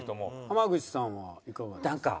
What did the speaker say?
濱口さんはいかがですか？